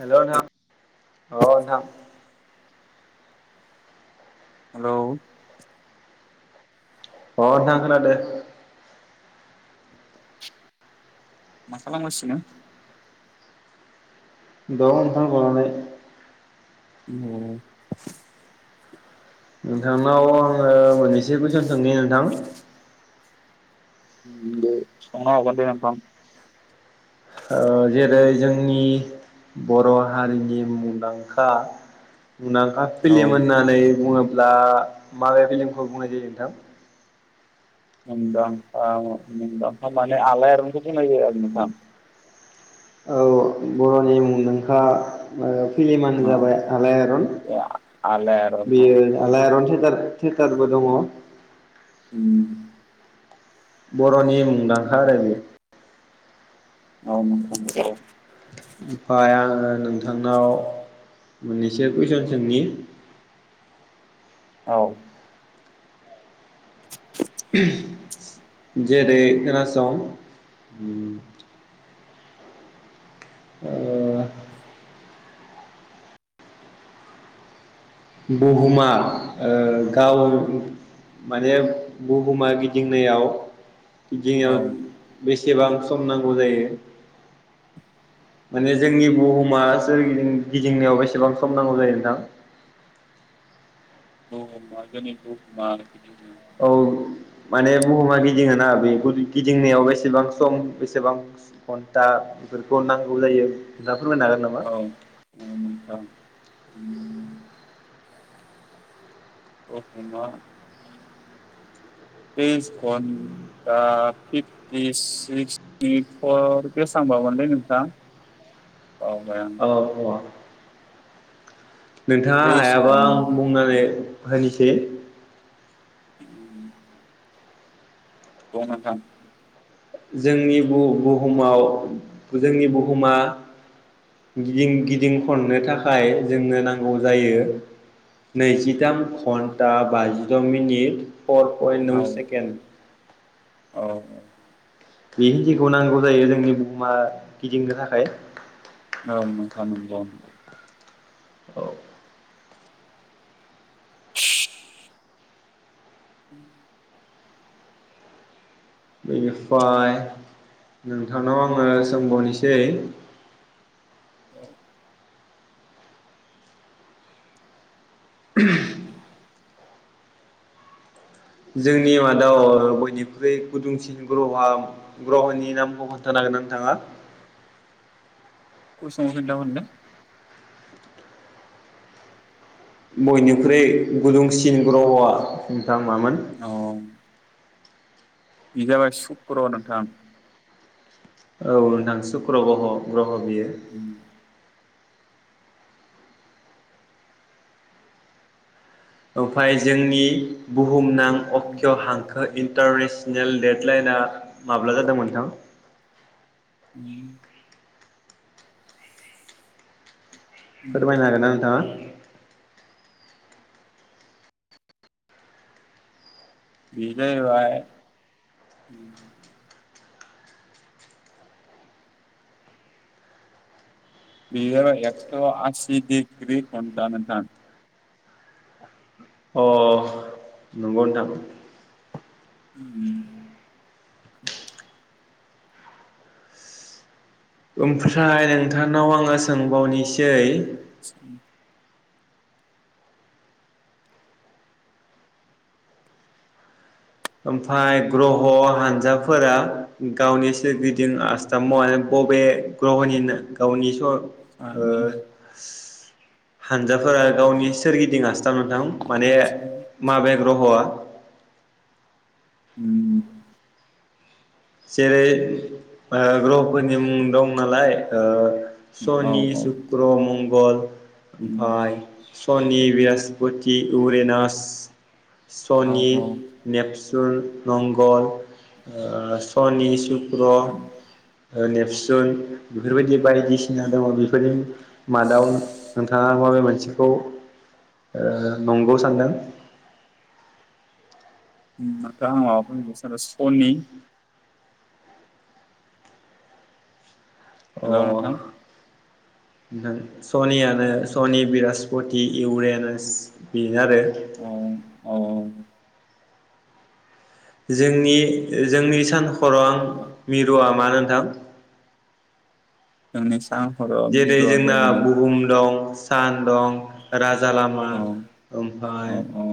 Hello नोंथां। अ नोंथां। हेलौ अ नोंथां खोनादों। मा खालामगासिनो? दं नोंथां ज'नानै। [unintelligible] [unintelligible] नोंथांनाव आङो मोननैसो कुइसन सोंनि नोंथां? उम दे सोंनो हागोनदे नोंथां। ओ जेरै जोंनि बर' हारिनि मुंदांखा मुनांखा औ फिलिम होननानै बुङो ब्ला माबे फिलिमखौ बुंनाय जायो नोंथां? मुंदांखा मुंदांखा माने आलायआरनखौ बुंनाय जायो आरो नोंथां। औ बर'नि मुंदांखा ओ फिलिमानो औ जाबाय आलायआरन बे आलायारन औ बेयो नोंथां नंगौ आलायआरन थेयाटार थेराटारबो दङ'। उम। बर'नि मुंदांखा रायजो। औ नोंथां औ। ओमफाय आङो नोंथांनाव मोननैसो कुइसन सोंनि। औ। [unintelligible] जेरै खोनासं उम। ओ बुहुमा ओ गाव माने बुहुमा गिदिंनायाव औ [unintelligible] बेस सेबां सम नांगौ जायो माने जोंनि बुहुमा सोरगिदिं गिदिंनायाव बेसेबां सम नांगौ जायो नोंथां? [unintelligible] औ माने बुहुमा गिदिङोना बेखौ गिदिंनायाव बेसेबां सम बेसेबां स घन्टा बेफोरखौ नांगौ जायो। फोरमायनो हागोन नामा? औ हागोन नोंथां उम। [unintelligible] तेस धन्टा फिफटि सिकतिफर बेसांबामोनलै नोंथां। बावबाय आं औ अ। नोंथाङा हायाबा इस्कन आं बुंनानै होनिसे। [inaudible] बुं नोंथां। जोंनि बु बुहुमाव जोंनि बुहुमा गिदिं गिदिं खननो थाखाय जोंनो नांगौ जायो नैजिताम घन्टा बाजिद' मिनिट। फर पयेन्ट औ नौ सेकेन्ड। औ औ। बे हिदिखौ नांगौ जायो जोंनि बुहुमा गिदिंनो थाखाय। [unintelligible] औ। [unintelligible] [unintelligible] बेनिफाय नोंथांनाव आङो सोंबावनिसै [unintelligible] [unintelligible] जोंनि मादाव बयनिख्रुइ गुदुंसिन ग्रह'वा ग्रह'नि नामखौ खोन्थानो हागोनना नोंथाङा? [unintelligible] खोन्था हरनो बयनिख्रुइ गुदुंसिन ग्रह'वा। दा मामोन। इ जाबाय सुक्र नोंथां। औ नोंथां सुक्र गह' ग्रह' बियो ओम ओमफाय जोंनि बुहुमनां अक्षिय' हांखो इन्टाररेस नेल देडलाइना माब्ला जादों नोंथां? उम फोरमायनो हागोनना नोंथाङा? बिनोबाय बियो एकस्ट्र'आसि दिग्रि घण्टा नोंथां। अ नंगौ नोंथां। उम ओमफ्राय थांनाव आङो सोंबावनिसै ओमफाय ग्रह' हानजाफोरा गावनि सोरगिदिं आस्थामावहाय बबे ग्रह'नि नो गावनि स साननि ओ हानजाफोरा गावनि सोरगिदिं आस औ नोंथां माने सान माबे ग्रहआ उम जेरै ओ ग्रहफोरनि मुं दं नालाय ओ औ सनि सुक्र मंग गल ओमफाय सनि बृहस्पति इउरेनास औ सनि औ नेप्स सुन मंगल ओ सनि सुक क्र ओ नेपसुन बेफोरबायदि बायदिसिना दङ बेफोरनि मादाव नोंथा थाङा बबे मोनसेखौ ओ नंगौ सानदों? उम नोंथां आं माबाखौ होननासो सानो सनि अ हेल' नोंथां नों सनियानो सनि बृहस्पति इउरेनास बे बे आरो। औ औ जोंनि ओ जोंनि सान खौरां मिरुवा मानो नोंथां? [unintelligible] जेरै मिरु जोंना जायगाजों बुहुम दं। सान दं राज राजा लामा औ ओमफ्राय औ औ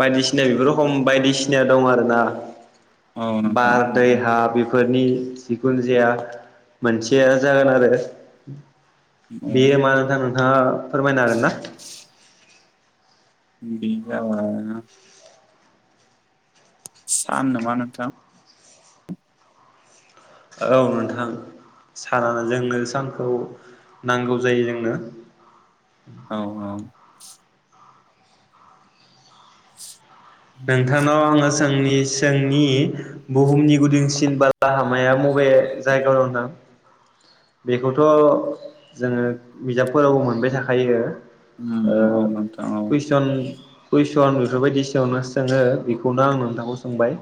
बायदिसिना बेफोरोखम बायदिसिना दं आरोना। औ नोंथां बार दै नंगौ हा बि बेफोरनि जिखुनो जाया मोनसेया जागोन आरो। औ बेयो मा नोंथां नोंथाङा फोरमायनो हागोन ना? बिगा सान नामा नोंथां? औ नोंथां सानानो जोंनो सानखौ नांगौ जायो जोंनो। औ औ। नोंथांनाव आङो सोंनि सों नि बुहुमनि गुदुंसिन बाला हामाया मबे जायगायाव दं नोंथां? बेखौथ' जोङो बिजाबफोराव मोन मोनबाय थाखायो। ओ उम औ नोंथां औ कुइसन कुइस स आं बेफोरबायदि सिगांआवनो सोङो बेखौनो आं नोंथांखौ सोंबाय।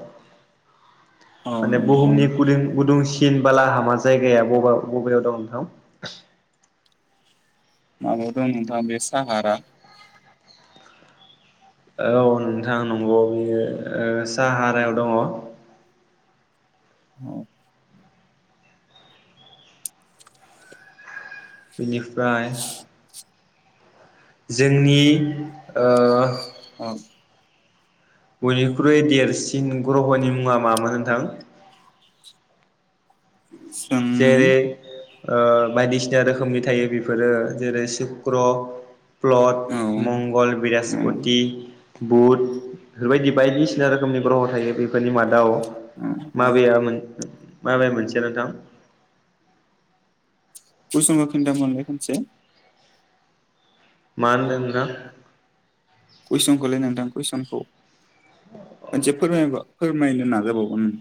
औ माने औ बुहुमनि गुदुं गुदुंसि सिन बाला हामा जायगाया बबाव? बबेयाव दं नोंथां? माबायाव दं नोंथां बे साहारा। औ नोंथां नंगौ बेयो ओ सा औ साहारायाव दङ। औ। बेनिफ्राय जोंनि ओ औ बयनिख्रुइ देरसिन ग्रहनि मुङा मामोन नोंथां? सों जेरै ओ बायदिसिना रोखोमनि थायो बेफोरो जेरै सुक्र' प्लद औ मंगल बृहसपति बुट बेफोर बायदि बायदिसिना रोखोमनि ग्रह' थायो बेफ बेफोरनि मादाव औ औ माबेया मोन [unintelligible] मोनसे [unintelligible] [unintelligible] मोनलाय खनसे मा होनदों नोंथां कुइसनखौलै नोंथां कुइसनखौ मोनसे फोरमायबा फोर नायनो नाजाबावगोन उम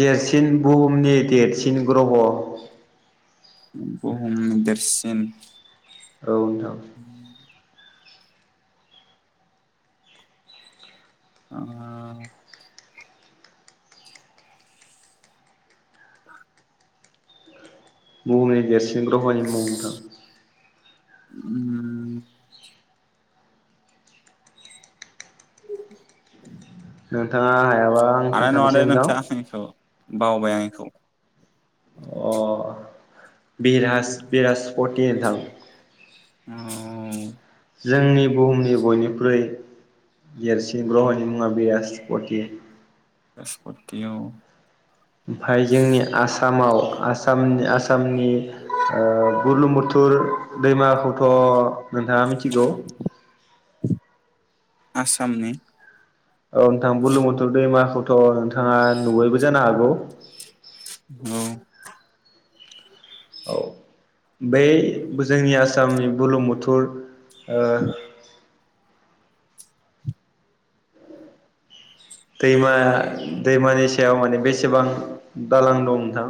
देरसिन बुहुमनि देरसिन ग्रह' बुहुमनि देरसिन औ नोंथां। आ बुहुमनि देरसिन ग्रहनि मुं नोंथां उम नोंथाङा हायाबा आं हानाय खोन्थानोसै नंङालै नोंथां आं इखौ। बावबाय आं इखौ। अ बिराज बिराजपटि नोंथां। उम। जोंनि बुहुमनि बयनिख्रुइ देरसि ग्रहनि मुङा बेरासपटि। बेरासपटि औ। ओमफ्राय जोंनि आसामाव आसामनि आ आसामनि ओ बुरलुंबुथुर दैमाखौथ' नोंथाङा मिथिगौ? आसामनि औ नोंथां बुरलुंबुथुर दैमाखौथ' नोंथाङा नुबायबो जानो हागौ। औ औ बै जोंनि आसामनि बुर्लुंबुथुर ओ दैमा दैमानि सायाव माने बेसेबां दालां दं नोंथां?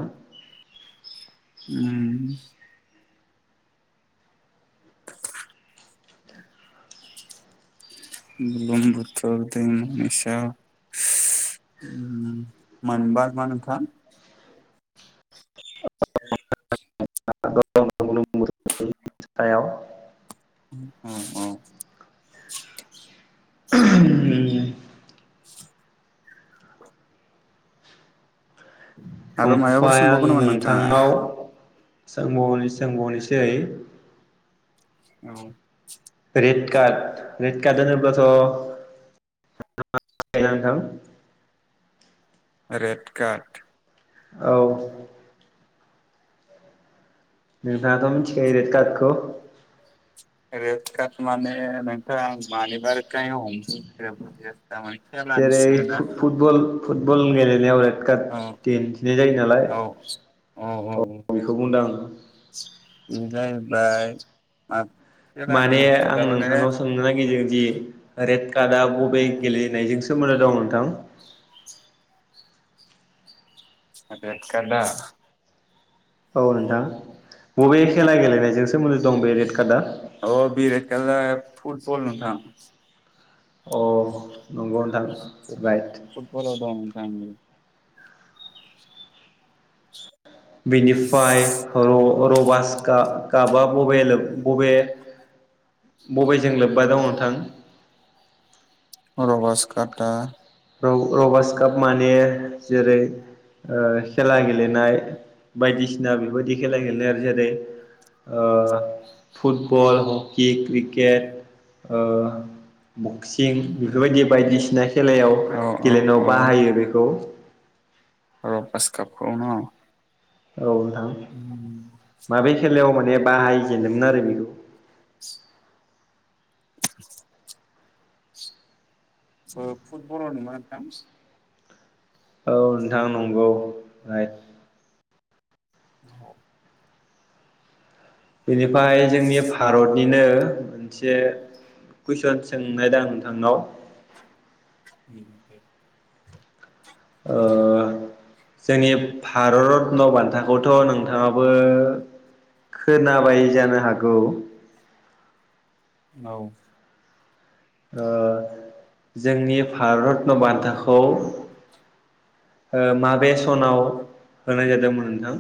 उम बुरलुंबुथुर दैमानि सायाव उम मायबा [unintelligible] नोंथां [inaudible] [unintelligible] सायाव अ अ। [unintelligible] [inaudible] माबाफोर ओमफाय आं सोंबावगोन नामा नोंथाङा नोंथांनाव सोंबावनि सांबावनोसै औ रेड कार्ड रेड कार्ड होनोब्लाथ' [unintelligible] नोंथां? रेड कार्ड औ नोंथाङाथ' मिथिखायो रेड कार्डखौ? रेड कार्ड माने नोंथां आं मानिबार खाराइमाव हमजायो बुजियाखै? जेरै फुटफुटबल फुटबल गेलेनायाव रेड कार्ड औ दिन्थिनाय जायो नालाय औ औ औ बेखौ बुंदों आं बेनिफ्राय दाय ओ माने आं नोंथांनाव सोंनो नागिरदों दि रेड कार्डया बबे गेलेनायजों सोमोन्दो दं नोंथां? रेड कार्डया? औ नोंथां बबे खेला गेलेनायजों सोमोन्दोै दं बे रेड बे कार्डया? रेड कार्डआ फुटबल नोंथां। अ नंगौ नोंथां राइट। फुटबलाव दं नोंथां बिनिफ्राय र रबास काप कापा बबे बबे बबेजों लोब्बा दं नोंथां? खाटा र रबारस काप माने जेरै ओ खेला गेलेनाय बायदिसिना बेबायदि खेला गेलेनाय आरो जेरै ओ फुटबल, हकि, क्रिकेट ओ बक्सिं बेफोरबायदि बायदिसिना खेलाया औ औ गेलेनायाव औ बाहायो बेखौ। रबास कापखौ न'? औ नोंथां माबे खेलायाव मा बे बाहायजेदोंमोन आरो बेखौ? ओ फुटबलाव नङा नोंथां। औ नोंथां नंगौ राइट औ बेनिफ्राय जोंनि भारतनिनो [unintelligible] से कुइसन सोंनो दा नोंथांनाव? उम ओ जोंनि भारतरत्न बान्था खौथ' नोंथाङाबो खोनाबाय जानो हागौ। औ। ओ जोंनि भार रत्न बान्थाखौ माबे सनाव होनाय जादोंमोन नोंथां?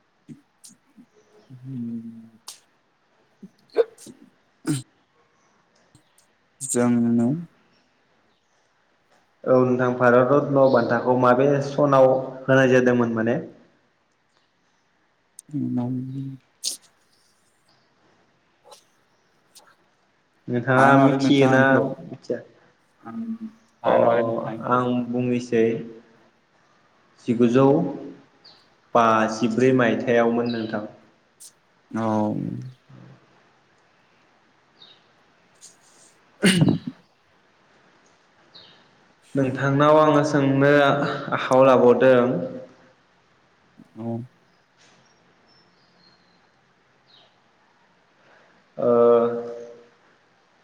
[inaudible] उम [inaudible] जोंनो औ नोंथां भारत रत्न बान्थाखौ माबे सनाव होनाय जादोंमोन माने [unintelligible] नोंथाङा हानाय नङालै नोंथां मिथियोना आंखौ मिथिया? आं अ हानाय नङालै नोंथां आंखौ आं बुंनिसि बे जिगुजौ बाजिब्रै मायथायाइयावमोन नोंथां। औ। [unintelligible] नोंथांनाव आङो सोंनो आखायाव लाबावदों औ। ओ